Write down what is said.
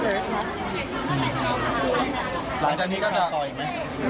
หลังจากนี้ก็จะต่ออีกไหม